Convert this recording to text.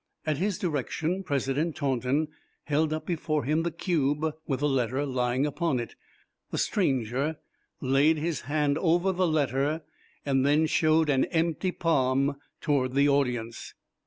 At his direction President Taunton held up before him the cube with the letter lying upon it. The stranger laid his hand over the letter, and then showed an empty palm toward the audience.